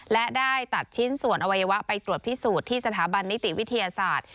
และได้ตัดชิ้นส่วนอวัยวะไปตรวจพิสูจน์ที่สถาบันนิติวิทยาศาสตร์